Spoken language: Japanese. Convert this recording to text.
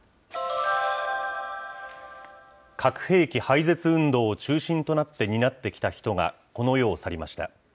核兵器廃絶運動を中心となって担ってきた人が、この世を去りました。